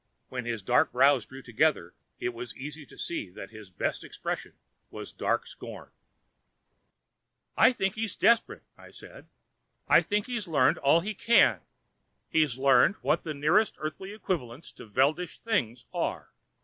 When his dark brows drew together it was easy to see that his best expression was dark scorn. "I think he's desperate," I said. "I think he's learned all he can. He's learned what the nearest Earthly equivalents to Veldish things are.